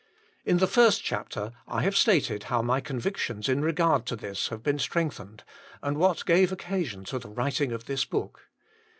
In the first chapter I have stated how my convic tions in regard to this have been strengthened, and what gave occasion to the writing of the book.